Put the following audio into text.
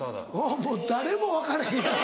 もう誰も分からへんやろ。